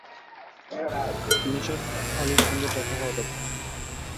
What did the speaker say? নিসার আলির সঙ্গে দেখা হওয়া দরকার।